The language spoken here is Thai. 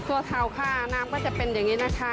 ตัวเขาค่ะน้ำก็จะเป็นอย่างนี้นะคะ